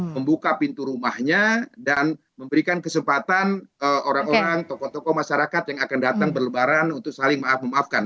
membuka pintu rumahnya dan memberikan kesempatan orang orang tokoh tokoh masyarakat yang akan datang berlebaran untuk saling maaf memaafkan